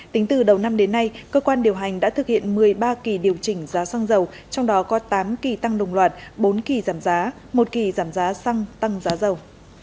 tính từ đầu năm đến nay cơ quan điều hành đã thực hiện một mươi ba kỳ điều chỉnh giá xăng dầu trong đó có tám kỳ điều chỉnh giá xăng tăng giá dầu